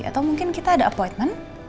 atau mungkin kita ada appointment